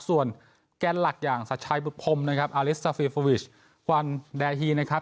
ส่วนแกนหลักอย่างสัชชัยบุตพรมนะครับอาริสซาฟีฟอร์วิชวันแดฮีนะครับ